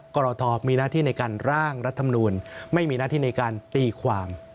กรทมีหน้าที่ในการร่างรัฐมนูลไม่มีหน้าที่ในการตีความ